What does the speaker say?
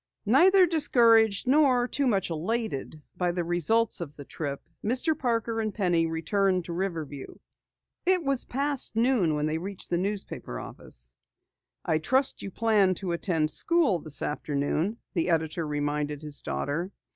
Neither discouraged nor too much elated by the results of the trip, Mr. Parker and Penny returned to Riverview. It was exactly noon when they reached the newspaper office. "I trust you plan to attend school this afternoon," the editor reminded his daughter.